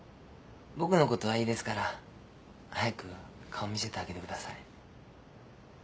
僕のことはいいですから早く顔見せてあげてください。